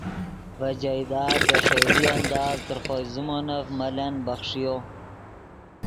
ڤے جائیداد دے ݰئیلے انداز تر خوئے زیمونف ملن بخݰیو